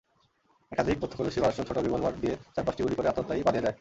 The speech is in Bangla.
একাধিক প্রত্যক্ষদর্শীর ভাষ্য, ছোট রিভলবার দিয়ে চার-পাঁচটি গুলি করে আততায়ী পালিয়ে যায়।